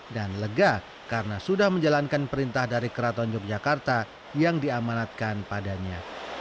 dan lega karena sudah menjalankan perintah dari keraton yogyakarta yang diamanatkan padanya